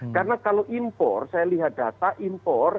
karena kalau impor saya lihat data impor